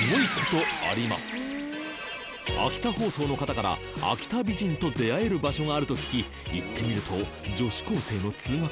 秋田放送の方から秋田美人と出会える場所があると聞き行ってみると女子高生の通学路。